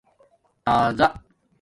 تازا